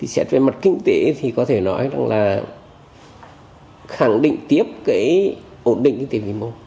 xét về mặt kinh tế thì có thể nói rằng là khẳng định tiếp cái ổn định kinh tế vĩ mô